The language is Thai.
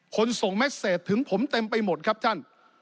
ส่งเมสเซจถึงผมเต็มไปหมดครับท่าน